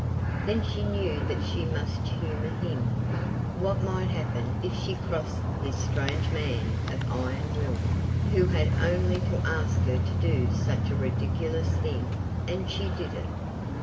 Then she knew that she must humor him what might happen if she crossed this strange man of iron will, who had only to ask her to do such a ridiculous thing and she did it?